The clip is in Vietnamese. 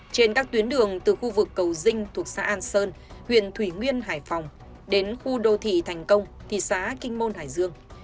trên các tuyến đường từ khu vực cầu dinh thuộc xã an sơn huyện thủy nguyên hải phòng đến khu đô thị thành công thị xã kinh môn hải dương